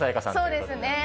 そうですね。